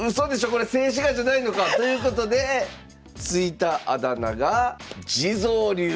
これ静止画じゃないのか⁉ということで付いたあだ名が地蔵流という。